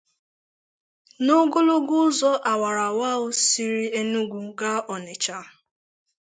n'ogologo ụzọ awara awara ahụ siri Enugu gaa Ọnịtsha